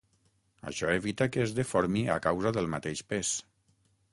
Això evita que es deformi a causa del mateix pes.